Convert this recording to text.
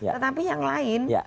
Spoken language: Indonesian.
tetapi yang lain